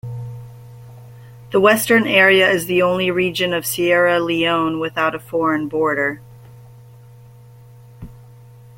The Western Area is the only region of Sierra Leone without a foreign border.